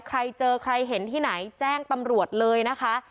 ใครเจอใครเห็นที่ไหนแจ้งตำรวจเลยนะคะ